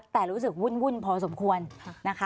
แต่รู้สึกวุ่นพอสมควรนะคะ